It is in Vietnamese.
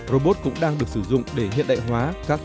robot cũng đang được sử dụng để hiện đại hóa